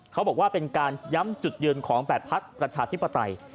เขาบอกว่าเป็นการย้ำจุดยืนของ๘พักประชาธิปไตย